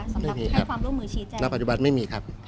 สำหรับให้ความร่วมมือชี้แจงณปัจจุบันไม่มีครับ